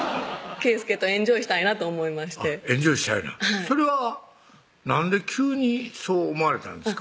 圭祐とエンジョイしたいなと思いましてエンジョイしたいなそれはなんで急にそう思われたんですか？